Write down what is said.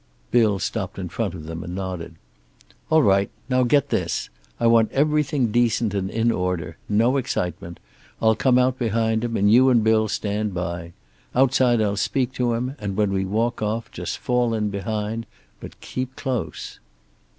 Bill stopped in front of them, and nodded. "All right. Now get this I want everything decent and in order. No excitement. I'll come out behind him, and you and Bill stand by. Outside I'll speak to him, and when we walk off, just fall in behind. But keep close."